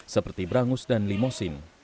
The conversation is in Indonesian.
seperti berangus dan limosin